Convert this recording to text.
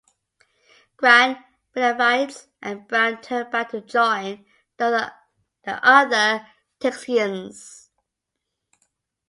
Grant, Benavides, and Brown turned back to join the other Texians.